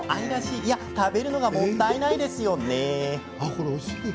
いや、食べるのがもったいないですよね。